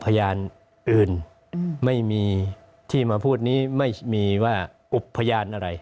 พยานอื่นไม่มีที่มาพูดนี้ไม่มีว่าอุปพยานอะไร